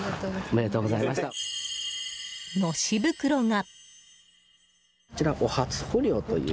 のし袋が。